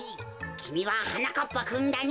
きみははなかっぱくんだね。